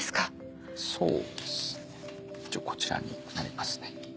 そうですね一応こちらになりますね。